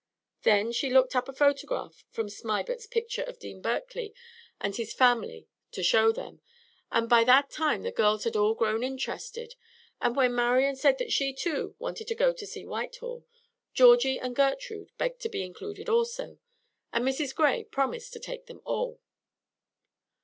Then she looked up a photograph from Smibert's picture of Dean Berkeley and his family to show them, and by that time the girls had all grown interested; and when Marian said that she, too, wanted to go to see Whitehall, Georgie and Gertrude begged to be included also, and Mrs. Gray promised to take them all.